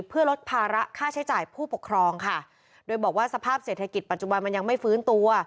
เพื่อลดภาระค่าใช้จ่ายผู้ปกครองค่ะโดยบอกว่าสภาพเศรษฐกิจปัจจุบันมันยังไม่ฟื้นตัว